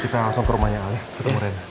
kita langsung ke rumahnya al ya ketemu rena